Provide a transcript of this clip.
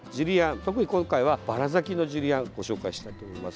特に今回はバラ咲きのジュリアンご紹介したいと思います。